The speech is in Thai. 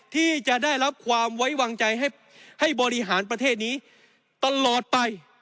ที่จะได้รับความไว้วางใจให้บริหารประเทศนี้ตลอดไป